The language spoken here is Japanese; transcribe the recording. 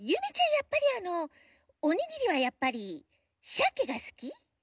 やっぱりあのおにぎりはやっぱりシャケがすき？